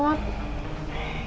ya makasih mbak